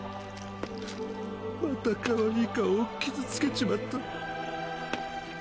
また可愛い顔を傷つけちまった。